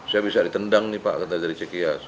saya bisa ditendang nih pak kata dari cikias